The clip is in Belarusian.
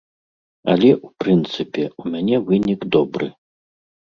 Але, у прынцыпе, у мяне вынік добры.